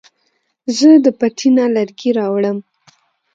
زه د پټي نه لرګي راوړم